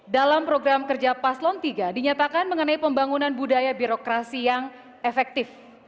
dalam program kerja paslon tiga dinyatakan mengenai pembangunan budaya birokrasi yang efektif